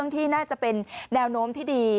ที่น่าจะเป็นแนวโน้มที่ดี